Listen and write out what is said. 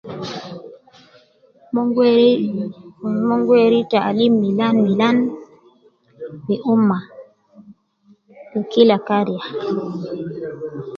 Mon gu weri, mon gu weri taalim milan milan fi umma fi kila kariya